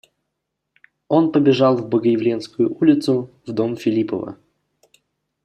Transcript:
Он побежал в Богоявленскую улицу, в дом Филиппова.